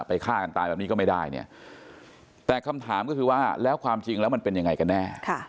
ฆ่ากันตายแบบนี้ก็ไม่ได้เนี่ยแต่คำถามก็คือว่าแล้วความจริงแล้วมันเป็นยังไงกันแน่